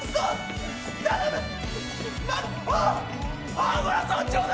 アンゴラ村長だ！